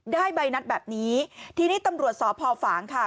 ได้ใบนัดแบบนี้ทีนี้ตำรวจสพฝางค่ะ